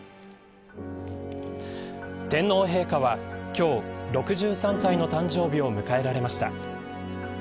天皇陛下は今日６３歳の誕生日を迎えられました。